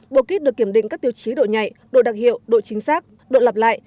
bộ kit được kiểm định các tiêu chí độ nhạy độ đặc hiệu độ chính xác độ lặp lại